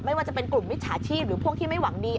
ไม่ว่าจะเป็นกลุ่มมิจฉาชีพหรือพวกที่ไม่หวังดี